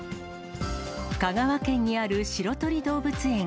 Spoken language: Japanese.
香川県にあるしろとり動物園。